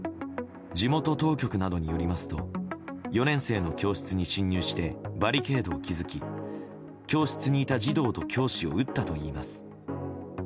地元当局などによりますと４年生の教室に侵入してバリケードを築き教室にいた児童と教師を撃ったといいます。